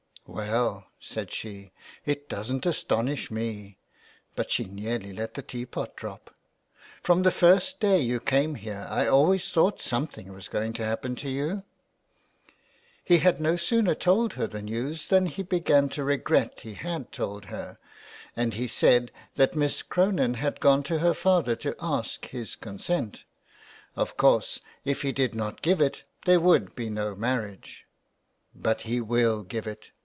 ''" Well," said she, " it doesa't astonish me," but she nearly let the teapot drop. " From the first day you came here I always thought something was going to happen to you." 323 THE WILD GOOSE. He had no sooner told her the news than he began to regret he had told her, and he said that Miss Cronin had gone to her father to ask his consent. Of course, if he did not give it, there would be no marriage. " But he will give it.